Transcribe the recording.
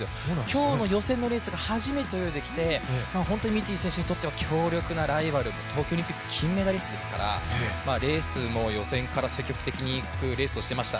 今日の予選のレースが初めて出てきて本当に三井選手にとっては強力なライバル、東京オリンピック金メダリストですからレースも予選から積極的にいくレースをしてました。